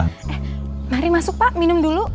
eh mari masuk pak minum dulu